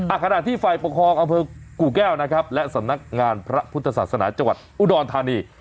ขณะที่ฝ่ายปกครองอำเภอกู่แก้วนะครับและสำนักงานพระพุทธศาสนาจังหวัดอุดรธานี